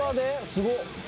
すごっ。